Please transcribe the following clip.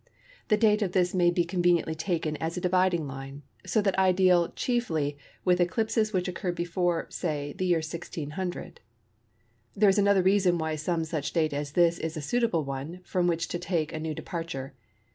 The date of this may be conveniently taken as a dividing line, so that I shall deal chiefly with eclipses which occurred before, say, the year 1600. There is another reason why some such date as this is a suitable one from which to take a new departure.